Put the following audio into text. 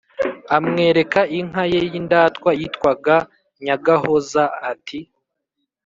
amwereka inka ye y'indatwa yitwaga nyagahoza, ati